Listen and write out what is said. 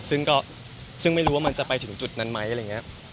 ซึ่งก็ซึ่งไม่รู้ว่ามันจะไปถึงจุดนั้นไหมอะไรอย่างนี้